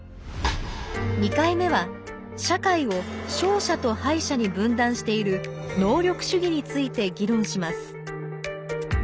２回目は社会を「勝者」と「敗者」に分断している能力主義について議論します。